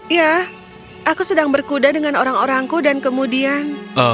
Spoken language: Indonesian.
ya aku sedang berkuda dengan orang orangku dan kemudian